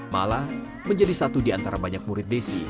malah menjadi satu di antara banyak murid desi